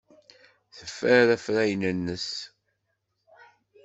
Teffer afrayen-nnes.